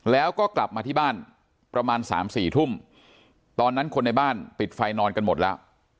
แล้วก็กลับมาที่บ้านประมาณ๓๔ทุ่มตอนนั้นคนในบ้านปิดไฟนอนกันหมดแล้ว